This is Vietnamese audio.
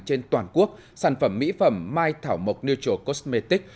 trên toàn quốc sản phẩm mỹ phẩm mai thảo mộc neutral cosmetic